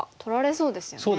そうですよね。